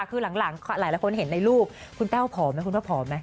คือหลังหลายคนเห็นในรูปคุณแต้วผอมไหมคุณว่าผอมไหม